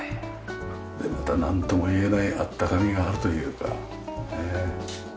これまたなんともいえない温かみがあるというかねえ。